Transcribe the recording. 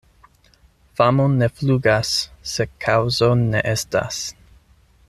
Famo ne flugas, se kaŭzo ne estas.